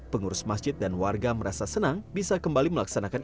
pengurus masjid dan warga merasa senang bisa kembali melaksanakan